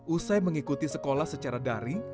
usai mengikuti sekolah secara daring